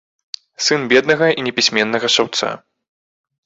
Сын беднага і непісьменнага шаўца.